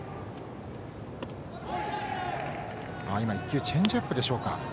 １球、チェンジアップでしょうか。